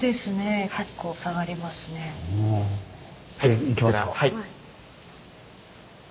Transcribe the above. じゃあ行きますか。